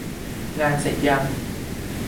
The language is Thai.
งานเสร็จยัง ?